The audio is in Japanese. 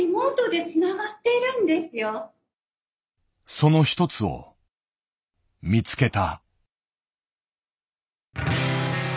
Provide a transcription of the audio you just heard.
そのひとつを見つけた。